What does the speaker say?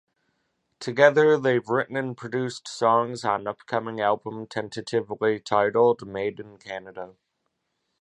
Together, they've written and produced songs on upcoming album, tentatively titled: "Made In Canada".